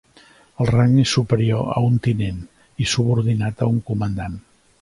El rang és superior a un tinent i subordinat a un comandant.